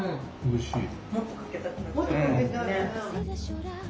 おいしい。